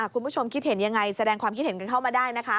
คุณผู้ชมคิดเห็นยังไงแสดงความคิดเห็นกันเข้ามาได้นะคะ